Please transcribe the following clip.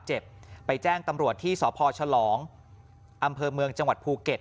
เจ็บไปแจ้งตำรวจที่สพฉลองอำเภอเมืองจังหวัดภูเก็ต